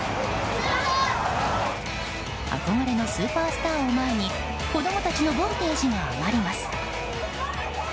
憧れのスーパースターを前に子供たちのボルテージが上がります。